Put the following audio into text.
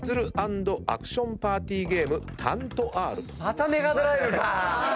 またメガドライブか！